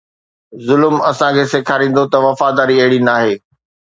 ظلم اسان کي سيکاريندو ته وفاداري اهڙي ناهي